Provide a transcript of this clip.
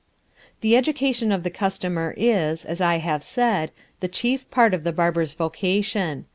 The education of the customer is, as I have said, the chief part of the barber's vocation.